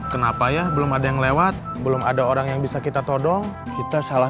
kenapa ya belum ada yang lewat belum ada orang yang bisa kita todong kita salah